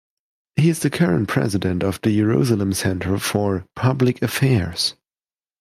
He is the current President of the Jerusalem Center for Public Affairs.